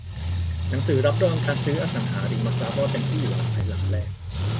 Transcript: หนังสือรับรองการซื้ออสังหาริมทรัพย์ว่าเป็นที่อยู่อาศัยหลังแรก